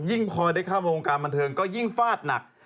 พอได้เข้ามาวงการบันเทิงก็ยิ่งฟาดหนัก